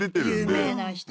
有名な人で。